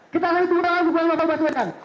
kita berhubungan dengan novel baswedan